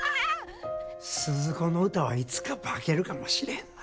スズ子の歌はいつか化けるかもしれへんな。